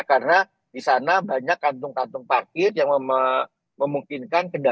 ya karena di sana banyak kantung kantung parkir yang memungkinkan kemasetan di merah